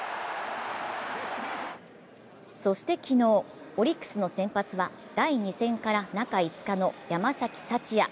そして昨日、オリックスの先発は第２戦から中５日の山崎福也。